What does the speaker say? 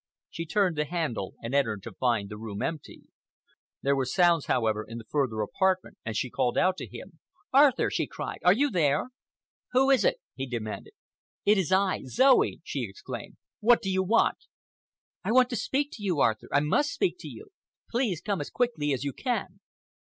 She turned the handle and entered to find the room empty. There were sounds, however, in the further apartment, and she called out to him. "Arthur," she cried, "are you there?" "Who is it?" he demanded. "It is I—Zoe!" she exclaimed. "What do you want?" "I want to speak to you, Arthur. I must speak to you. Please come as quickly as you can."